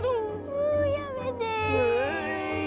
もうやめて！